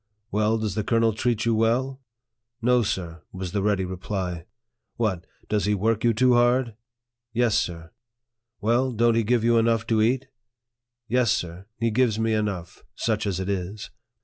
" Well, does the colonel treat you well ?"" No, sir," was the ready reply. " What, does he work you too hard ?"" Yes, sir." " Well, don't he give you enough to eat ?"" Yes, sir, he gives me enough, such as it is."